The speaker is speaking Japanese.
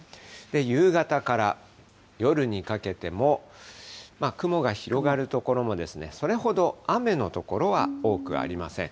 夕方から夜にかけても、雲が広がる所も、それほど雨の所は多くありません。